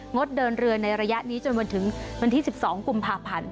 ดเดินเรือในระยะนี้จนวันถึงวันที่๑๒กุมภาพันธ์